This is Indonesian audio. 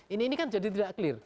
ini kan jadi tidak clear